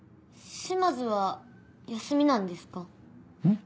島津は休みなんですか？